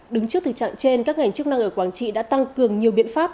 đứng trước thực trạng trên các ngành chức năng ở quảng trị đã tăng cường nhiều biện pháp